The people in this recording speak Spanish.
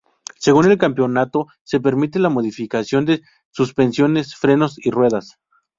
Según el campeonato, se permite la modificación de suspensiones, frenos y ruedas.